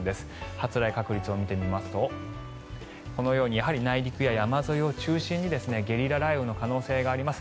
発雷確率を見てみますとこのように内陸や山沿いを中心にゲリラ雷雨の可能性があります。